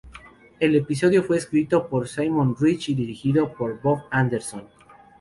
El episodio fue escrito por Simon Rich y dirigido por Bob Anderson.